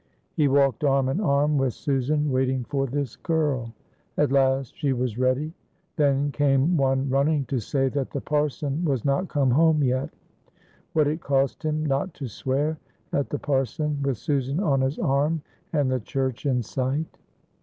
He walked arm in arm, with Susan waiting for this girl; at last she was ready. Then came one running to say that the parson was not come home yet. What it cost him not to swear at the parson with Susan on his arm and the church in sight!